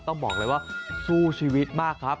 ต้องบอกเลยว่าสู้ชีวิตมากครับ